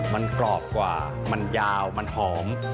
มันกรอบกว่ามันยาวมันหอม